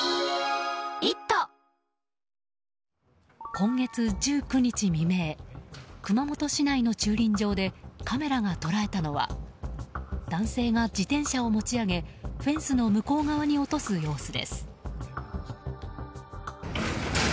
今月１９日未明熊本市内の駐輪場でカメラが捉えたのは男性が自転車を持ち上げフェンスの向こう側に落とす様子です。